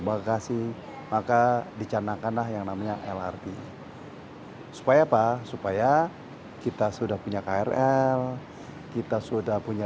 bagasi maka dicanakanlah yang namanya lrt supaya apa supaya kita sudah punya krl kita sudah punya